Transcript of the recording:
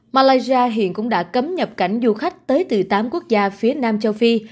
malaysia hiện cũng đã cấm nhập cảnh du khách tới từ tám quốc gia phía nam châu phi